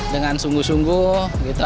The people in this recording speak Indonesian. dengan sungguh sungguh gitu